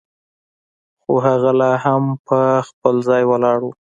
خو هغه لا هم پر خپل ځای ولاړه وه.